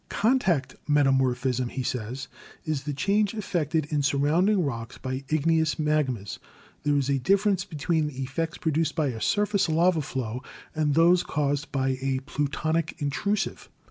"Contact metamorphism," he says, ''is the change effected in surrounding rocks by igneous magmas. There is a difference between the effects produced by a surface lava flow and those caused by a plutonic intrusive.